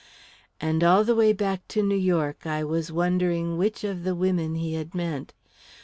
And all the way back to New York, I was wondering which of the women he had meant.